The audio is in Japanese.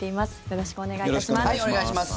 よろしくお願いします。